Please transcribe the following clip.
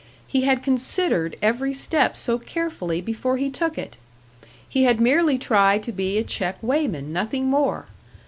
He had considered every step so carefully before he took it! He had merely tried to be a check weighman, nothing more!